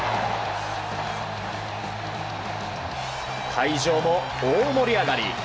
会場も大盛り上がり。